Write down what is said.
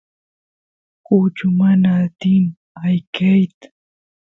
kuchu mana atin ayqeyt